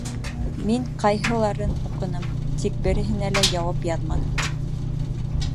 Мин ҡайһыларын уҡыным, тик береһенә лә яуап яҙманым.